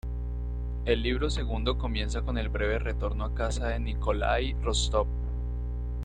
El libro segundo comienza con el breve retorno a casa de Nikolái Rostov.